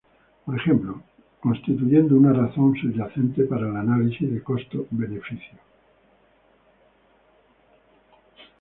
Por ejemplo, constituyendo una razón subyacente para el análisis de costo-beneficio.